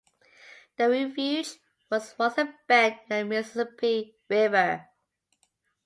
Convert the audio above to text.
The refuge was once a bend in the Mississippi River.